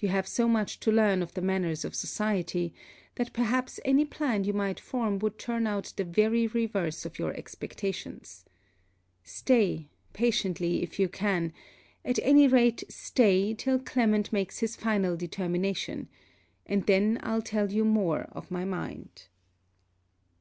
You have so much to learn of the manners of society, that perhaps any plan you might form would turn out the very reverse of your expectations. Stay, patiently if you can: at any rate, stay, till Clement makes his final determination, and then I'll tell you more of my mind.